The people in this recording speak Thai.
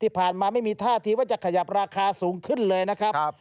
ไม่มีท่าทีว่าจะขยับราคาสูงขึ้นเลยนะครับ